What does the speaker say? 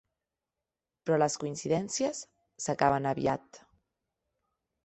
Però les coincidències s'acaben aviat.